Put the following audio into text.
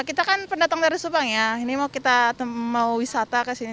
kita kan pendatang dari subang ya ini mau kita mau wisata ke sini